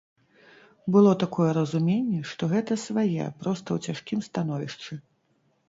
Было такое разуменне, што гэта свае, проста ў цяжкім становішчы.